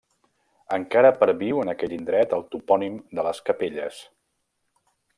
Encara perviu en aquell indret el topònim de les Capelles.